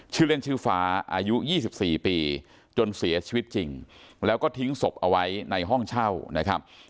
ชื่อเล่นชื่อฟ้าอายุ๒๔ปีจนเสียชีวิตจริงแล้วก็ทิ้งศพเอาไว้ในห้องเช่านะครับ